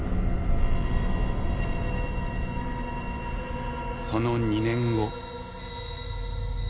その２年後。